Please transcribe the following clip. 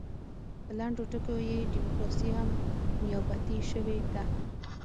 په لنډو ټکو کې ډیموکراسي هم نیابتي شوې ده.